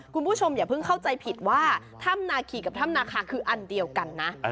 คุณผู้ชมอย่าเพิ่งเข้าใจผิดว่าถ้ำนาคีกับถ้ำนาคาคืออันเดียวกันนะ